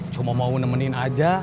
cuma mau nemenin aja